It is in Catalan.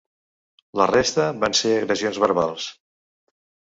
La resta van ser agressions verbals.